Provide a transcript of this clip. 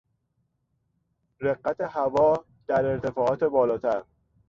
رقت هوا در ارتفاعات بالاتر